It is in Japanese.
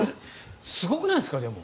すごくないですか？